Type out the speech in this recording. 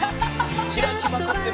「開きまくってる」